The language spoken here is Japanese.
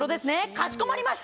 かしこまりました